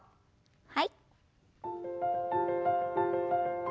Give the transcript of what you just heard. はい。